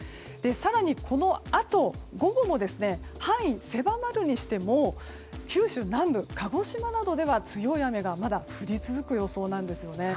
更にこのあと、午後も範囲は狭まるにしても九州南部、鹿児島などでは強い雨がまだ降り続く予想なんですよね。